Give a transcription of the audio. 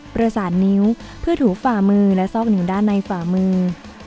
ประสานนิ้วเพื่อถูฝ่ามือและซอกนิ้วด้านในฝ่ามือ